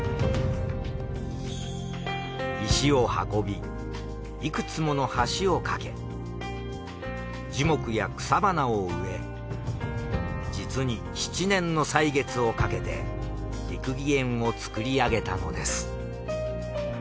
石を運びいくつもの橋を架け樹木や草花を植え実に７年の歳月をかけて『六義園』を造り上げたのです。